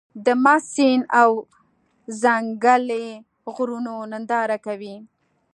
د مست سيند او ځنګلي غرونو ننداره کوې.